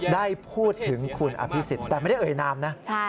ได้พูดถึงคุณอภิษฎแต่ไม่ได้เอ่ยนามนะ